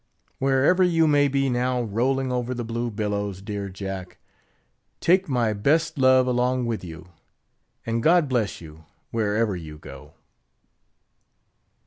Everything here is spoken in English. Wherever you may be now rolling over the blue billows, dear Jack! take my best love along with you; and God bless you, wherever you go!